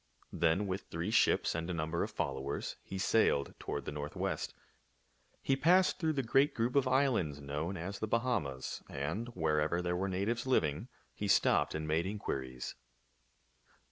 Then with three ships and a number of followers he sailed toward the northwest. He passed through the great group of islands known as the Bahamas ; and, wherever there were natives living, he stopped and made inquiries.